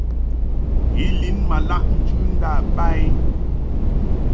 I lin ma laʼ njɨ nda ba i.